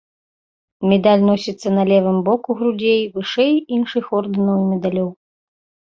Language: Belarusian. Медаль носіцца на левым боку грудзей вышэй іншых ордэнаў і медалёў.